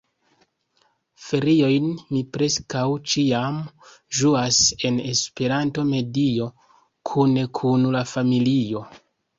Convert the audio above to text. Feriojn mi preskaŭ ĉiam ĝuas en Esperanto-medio, kune kun la familio.